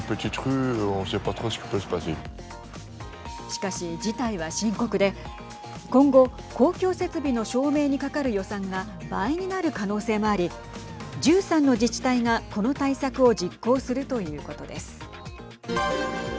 しかし、事態は深刻で今後、公共設備の照明にかかる予算が倍になる可能性もあり１３の自治体がこの対策を実行するということです。